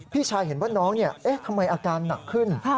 พี่ชายเห็นว่าน้องทำไมอาการหนักขึ้น